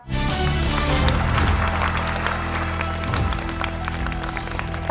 ขอบคุณครับ